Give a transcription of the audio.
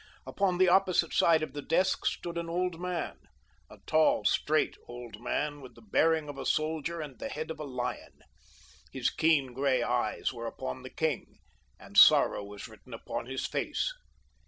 Upon the opposite side of the desk stood an old man—a tall, straight, old man with the bearing of a soldier and the head of a lion. His keen, gray eyes were upon the king, and sorrow was written upon his face.